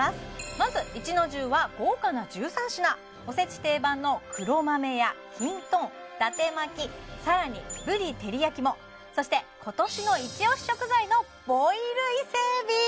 まず壱之重は豪華な１３品おせち定番の黒豆やきんとん伊達巻さらにぶり照焼きもそして今年の一押し食材のボイルイセエビ！